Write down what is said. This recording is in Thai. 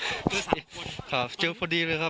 เพื่อนบ้านเจ้าหน้าที่อำรวจกู้ภัย